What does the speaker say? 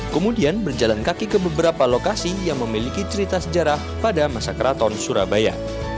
kemudian berjalan kaki ke beberapa lokasi yang memiliki cerita sejarah pada masa keraton surabaya